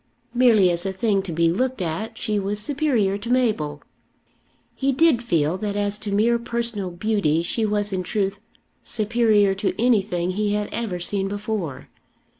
Merely as a thing to be looked at she was superior to Mabel. He did feel that as to mere personal beauty she was in truth superior to anything he had ever seen before.